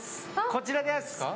こちらです。